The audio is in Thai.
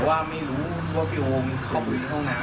แต่ว่าไม่รู้ว่าพี่โอเข้าไปร้องน้ำอยู่